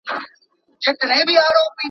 د شهیدانو وینې مه هېروئ.